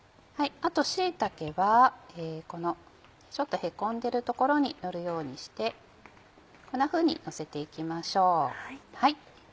椎茸はこのちょっとへこんでるところにのるようにしてこんなふうにのせて行きましょう。